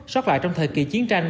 sót lại trong thời kỳ chiến tranh